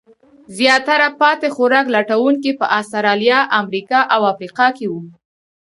زیاتره پاتې خوراک لټونکي په استرالیا، امریکا او افریقا کې وو.